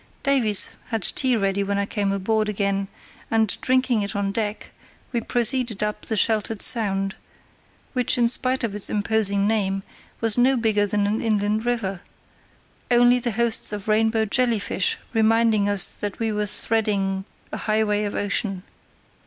Davies had tea ready when I came aboard again, and, drinking it on deck, we proceeded up the sheltered Sound, which, in spite of its imposing name, was no bigger than an inland river, only the hosts of rainbow jelly fish reminding us that we were threading a highway of ocean.